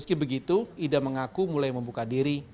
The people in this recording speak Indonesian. ida mengaku mulai membuka diri